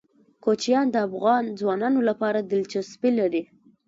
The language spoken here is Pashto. کوچیان د افغان ځوانانو لپاره دلچسپي لري.